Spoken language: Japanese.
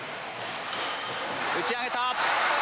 打ち上げた。